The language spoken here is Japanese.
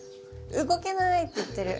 「動けない」って言ってる。